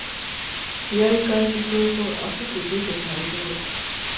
試合開始そうそう足くじいて退場